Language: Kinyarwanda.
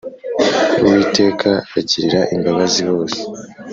uwiteka agirira imbabazi bose